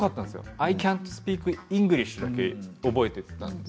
アイキャントスピークイングリッシュだけ覚えていたんです。